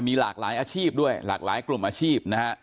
มีหลากหลายอาชีพด้วยหลากหลายกลุ่มอาชีพนะฮะ